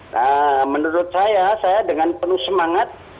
nah menurut saya saya dengan penuh semangat